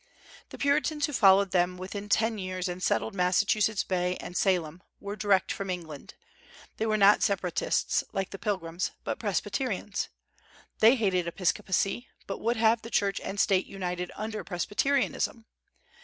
The Puritans who followed them within ten years and settled Massachusetts Bay and Salem, were direct from England. They were not Separatists, like the Pilgrims, but Presbyterians; they hated Episcopacy, but would have had Church and State united under Presbyterianism.